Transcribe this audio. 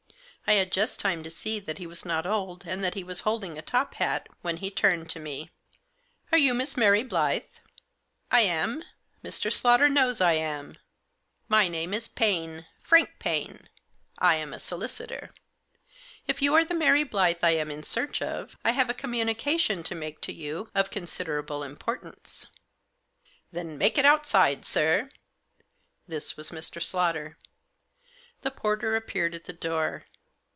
I had just time to see that he was not old, and that he was holding a top hat, when he turned to me. 3 * Digitized by 86 THE JOSS. " Are you Miss Mary Blyth ?"" I am, Mr. Slaughter knows I am." " My name is Paine, Frank Paine. I am a solicitor. If you are the Mary Blyth I am in search of I have a communication to make to you of considerable importance." "Then make it outside, sir." This was Mr. Slaughter. The porter appeared at the door.